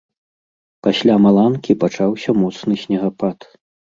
Пасля маланкі пачаўся моцны снегапад.